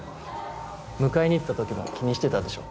迎えにいったときも気にしてたでしょ